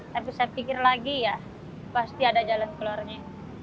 tapi saya pikir lagi ya pasti ada jalan keluarnya